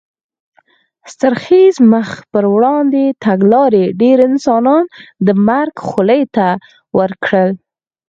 ستر خېز مخ په وړاندې تګلارې ډېر انسانان د مرګ خولې ته ور کړل.